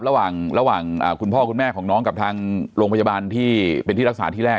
ระหว่างคุณพ่อคุณแม่ของน้องกับทางโรงพยาบาลที่เป็นที่รักษาที่แรก